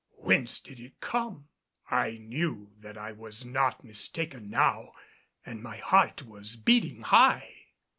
Whence did it come? I knew that I was not mistaken now, and my heart was beating high.